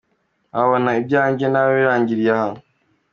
Wabona ibyanjye nawe birangiriye aha ?.